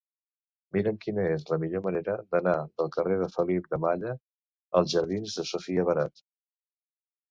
Mira'm quina és la millor manera d'anar del carrer de Felip de Malla als jardins de Sofia Barat.